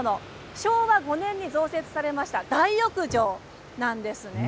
昭和５年に創設されました大浴場です。